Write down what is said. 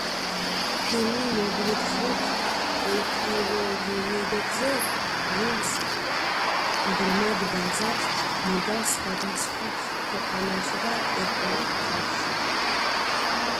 ფილმი მოგვითხრობს პიროვნებებზე, ვინც ბრმად ბაძავს მოდას, სხვადასხვა ქვეყანაში და ეპოქაში.